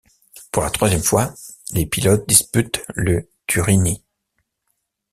Pour la troisième fois, les pilotes disputent le Turini.